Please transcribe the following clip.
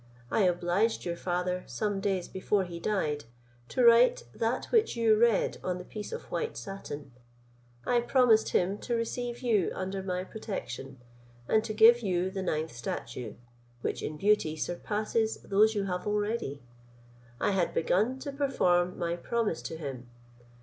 I obliged your father, some days before he died, to write that which you read on the piece of white satin. I promised him to receive you under my protection, and to give you the ninth statue, which in beauty surpasses those you have already. I had begun to perform my promise to him.